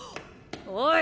おい。